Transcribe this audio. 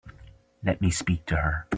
Let me speak to her.